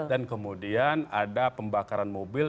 dan kemudian ada pembakaran mobil